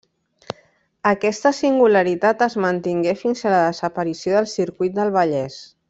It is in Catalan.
Aquesta singularitat es mantingué fins a la desaparició del Circuit del Vallès.